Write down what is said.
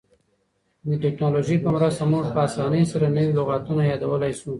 د ټکنالوژۍ په مرسته موږ په اسانۍ سره نوي لغتونه یادولای سو.